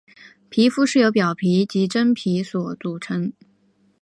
皮肤是由表皮及真皮所组成。